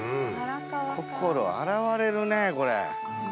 心洗われるねこれ。